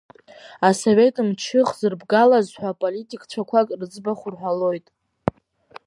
Асовет мчы хзырбгалаз ҳәа политикцәақәак рыӡбахә рҳәалоит.